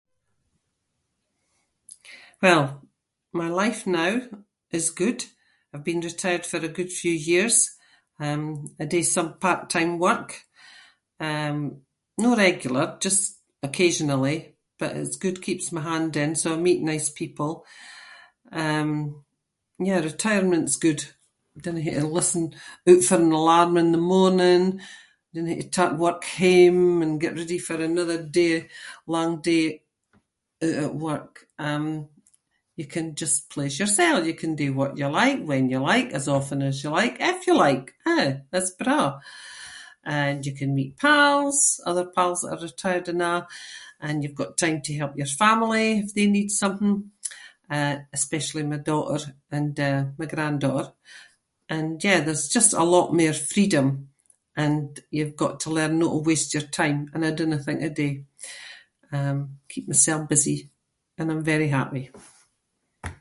Well, my life now is good. I’ve been retired for a good few years, um, I do some part-time work, um- no regular, just occasionally, but it’s good- keeps me handy and so I meet nice people. Um, yeah, retirement’s good. I dinna hae to listen oot for an alarm in the morning, dinna hae to take work home and get ready for another day- long day oot at work. Um, you can just please yourself, you can do what you like when you like as often as you like if you like. Eh? It’s braw! And you can meet pals, other pals that are retired and a', and you’ve got time to help your family if they need something, uh, especially my daughter and, eh, my granddaughter. And yeah, there’s just a lot mair freedom and you’ve got to learn no to waste your time and I dinna think I do. Um, keep myself busy and I’m very happy.